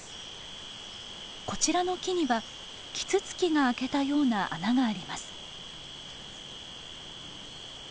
こちらの木にはキツツキが開けたような穴があります。